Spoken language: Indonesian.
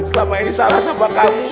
selama ini salah sama kamu